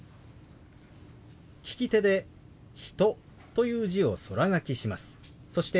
利き手で「人」という字を空書きします。